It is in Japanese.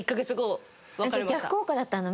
じゃあ逆効果だったんだ？